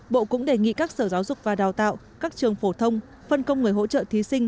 bộ cũng đề nghị các sở giáo dục và đào tạo các trường phổ thông phân công người hỗ trợ thí sinh